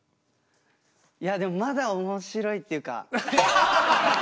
いやでもまだ面白いっていうか。